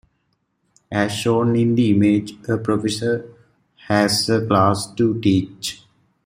As shown in the image, a Professor 'has a' class to teach.